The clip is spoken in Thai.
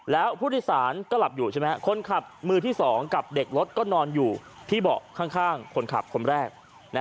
แล้วผู้โดยสารก็หลับอยู่ใช่ไหมคนขับมือที่๒กับเด็กรถก็นอนอยู่ที่เบาะข้างคนขับคนแรก